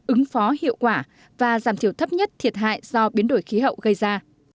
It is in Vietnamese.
ứng phó hiệu quả và giảm thiểu thấp nhất thiệt hại do biến đổi khí hậu gây ra